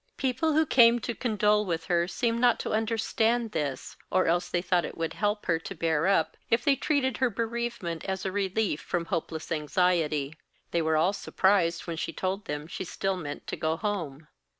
People who came to condole with her seemed not to understand this, or else they thought it would help her to bear up if they treated her bereavement as a relief from hopeless anxiety. They were all surprised when she told them she still meant to go home.